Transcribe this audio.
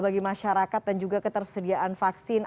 bagi masyarakat dan juga ketersediaan vaksin